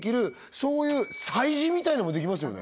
そういう催事みたいのもできますよね